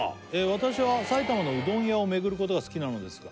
「私は埼玉のうどん屋を巡ることが好きなのですが」